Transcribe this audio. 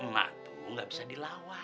mak tuh gak bisa dilawan